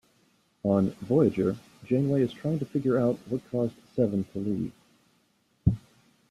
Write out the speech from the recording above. On "Voyager", Janeway is trying to figure out what caused Seven to leave.